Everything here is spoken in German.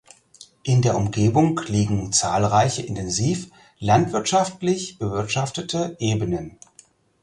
In der Umgebung liegen zahlreiche intensiv landwirtschaftlich bewirtschaftete Ebenen.